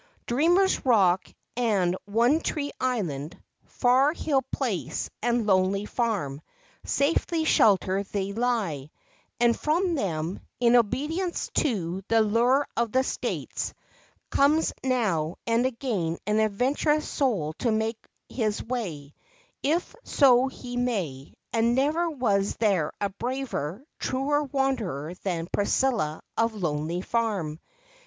Dreamer's Rock and One Tree Island, Far Hill Place and Lonely Farm, safely sheltered they lie, and from them, in obedience to the "Lure of the States," comes now and again an adventurous soul to make his way, if so he may; and never was there a braver, truer wanderer than Priscilla of Lonely Farm.